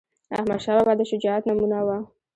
احمدشاه بابا د شجاعت نمونه وه..